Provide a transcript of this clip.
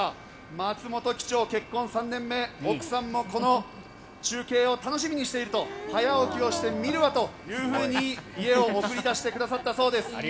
松本機長、結婚３年目奥さんもこの中継を楽しみにしていると早起きをして見るわと、家を送り出してくださったそうです。